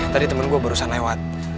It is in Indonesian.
tadi temen gua baru lewat